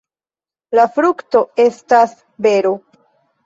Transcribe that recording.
La frukto estas bero.